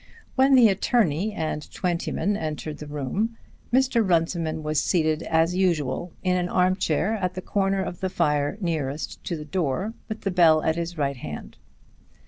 When the attorney and Twentyman entered the room Mr. Runciman was seated as usual in an arm chair at the corner of the fire nearest to the door, with the bell at his right hand.